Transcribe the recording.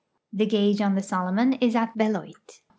The gauge on the Solomon is at Beloit.